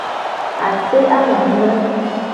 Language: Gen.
Ase amadre.